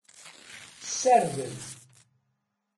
Ssarden.